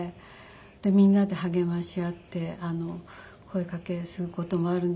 みんなで励まし合って声かけする事もあるんですけど。